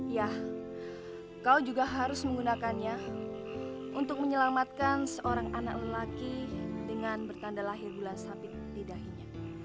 ya kau juga harus menggunakannya untuk menyelamatkan seorang anak lelaki dengan bertanda lahir gula sapi di dahinya